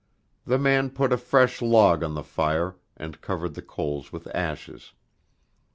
The man put a fresh log on the fire, and covered the coals with ashes.